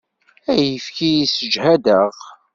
Ayefki yessejhad-aɣ.